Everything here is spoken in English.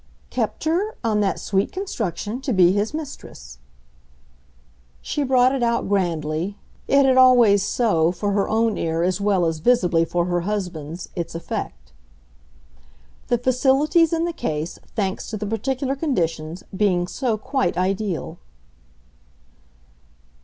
"Kept her, on that sweet construction, to be his mistress." She brought it out grandly it had always so, for her own ear as well as, visibly, for her husband's, its effect. "The facilities in the case, thanks to the particular conditions, being so quite ideal."